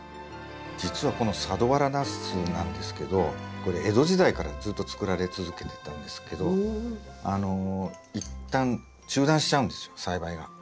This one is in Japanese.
実はこの佐土原ナスなんですけどこれ江戸時代からずっと作られ続けてたんですけどあの一旦中断しちゃうんですよ栽培が。